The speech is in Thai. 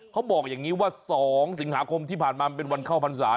เขาบอกอย่างนี้ว่า๒สิงหาคมที่ผ่านมามันเป็นวันเข้าพรรษา